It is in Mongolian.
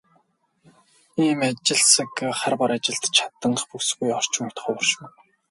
Ийм ажилсаг, хар бор ажилд чаданги бүсгүй орчин үед ховор шүү.